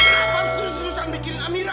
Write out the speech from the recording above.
kenapa terus susah mikirin amira